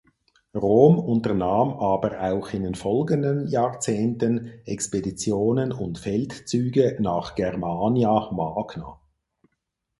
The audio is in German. Rom unternahm aber auch in den folgenden Jahrzehnten Expeditionen und Feldzüge nach Germania magna.